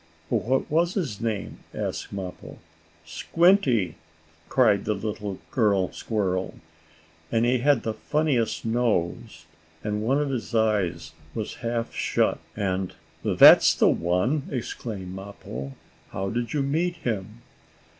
"What was his name?" asked Mappo. "Squinty!" cried the little girl squirrel. "And he had the funniest nose, and one of his eyes was half shut, and " "That's the one!" exclaimed Mappo. "How did you meet him?"